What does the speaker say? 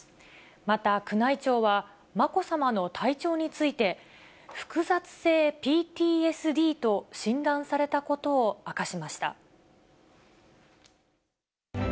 また、宮内庁はまこさまの体調について、複雑性ＰＴＳＤと診断されたことを明かしました。